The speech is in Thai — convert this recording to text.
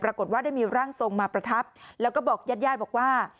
ปรากฏว่าได้มีร่างทรงมาประทับแล้วก็บอกญาติญาติบอกว่า